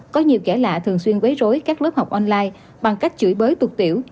có nhiều kẻ lạ thường xuyên quấy rối các lớp học online bằng cách chửi bới tục tiểu